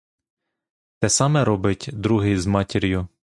Те саме робить другий з матір'ю.